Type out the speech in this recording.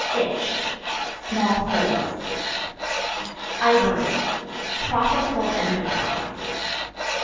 Itch Small foes. Ivory Profitable enterprise.